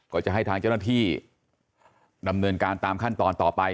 ก็จะให้ทางเจ้าหน้าที่ดำเนินการตามขั้นตอนต่อไป